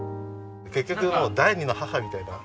結局もう第二の母みたいな。